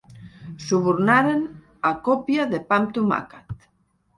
Subornaren a còpia de pa amb tomàquet.